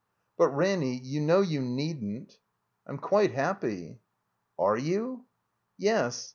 "But Ranny, you know you needn't I'm quite happy." "Are you?" "Yes.